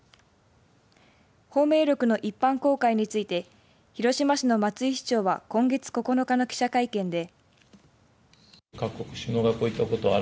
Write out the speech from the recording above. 芳名録の一般公開について広島市の松井市長は今月９日の記者会見で。